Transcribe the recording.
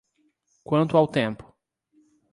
Quanto ao tempo?